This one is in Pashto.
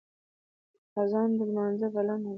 اذان د لمانځه بلنه ده